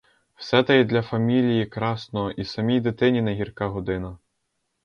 Все те й для фамілії красно, і самій дитині не гірка година.